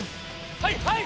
はいはい！